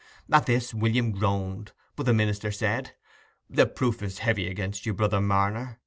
At this William groaned, but the minister said, "The proof is heavy against you, brother Marner.